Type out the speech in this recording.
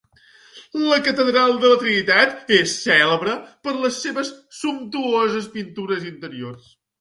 La catedral de la Trinitat és cèlebre per les seves sumptuoses pintures interiors.